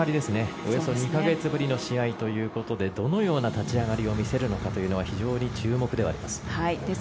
およそ２か月ぶりの試合ということでどのような立ち上がりを見せるのかというのは非常に注目ではあります。